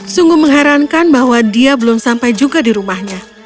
sungguh mengherankan bahwa dia belum sampai juga di rumahnya